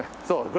そう。